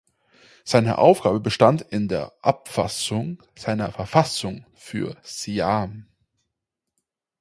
Seine Aufgabe bestand in der Abfassung einer Verfassung für Siam.